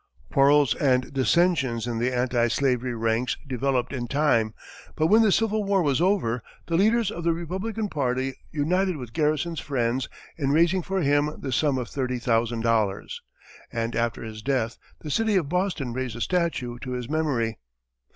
Quarrels and dissension in the anti slavery ranks developed in time, but when the Civil War was over, the leaders of the Republican party united with Garrison's friends in raising for him the sum of $30,000, and after his death the city of Boston raised a statue to his memory.